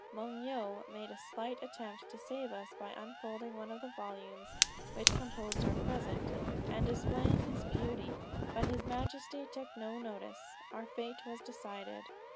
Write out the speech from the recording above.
Moung Yo made a slight attempt to save us by unfolding one of the volumes which composed our present and displaying its beauty, but his majesty took no notice. Our fate was decided.